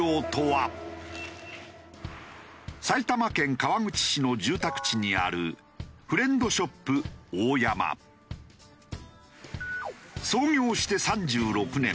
埼玉県川口市の住宅地にある創業して３６年。